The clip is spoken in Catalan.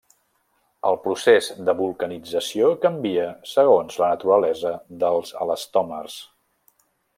El procés de vulcanització canvia segons la naturalesa dels elastòmers.